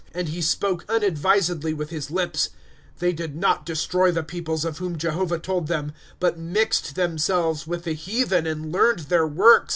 And he spoke unadvisedly with bis lips. 3* They did not destroy tlie peoples, Of whom Jehovah told ihcm ;*^ But mixed themselves with the heathen, And learned their works ; V, 26.